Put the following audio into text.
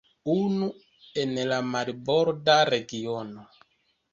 Unu en la marborda regiono.